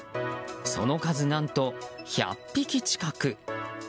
その数、何と１００匹近く。